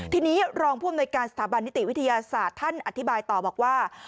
ทีนี้รองผู้อำนวยการสถาบันนิติวิทยาศาสตร์ท่านอธิบายต่อบอกว่า